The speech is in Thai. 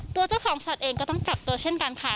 ตัวเจ้าของสัตว์เองก็ต้องกลับตัวเช่นกันค่ะ